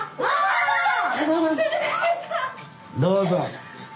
どうぞ。